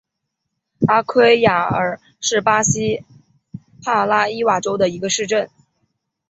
阿圭亚尔是巴西帕拉伊巴州的一个市镇。